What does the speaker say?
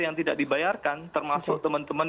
yang tidak dibayarkan termasuk teman teman